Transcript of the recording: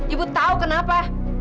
ibu tau kenapa